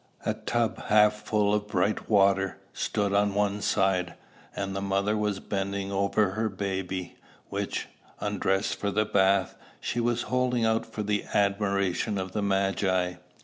A tub half full of bright water, stood on one side; and the mother was bending over her baby, which, undressed for the bath, she was holding out for the admiration of the Magi.